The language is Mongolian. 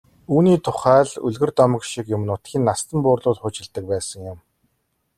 Үүний тухай л үлгэр домог шиг юм нутгийн настан буурлууд хуучилдаг байсан юм.